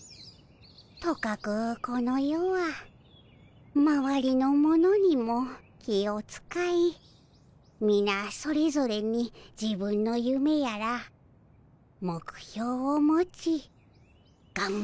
とかくこの世はまわりの者にも気をつかいみなそれぞれに自分のゆめやら目標を持ちがんばっておる。